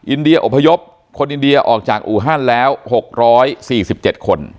อินเดียอพยพคนอินเดียออกจากอูฮันแล้ว๖๔๗คน